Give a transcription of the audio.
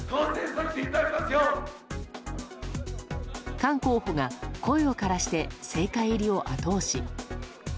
菅候補が声をからして政界入りを後押し。